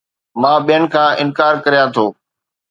مان ٻين کان انڪار ڪريان ٿو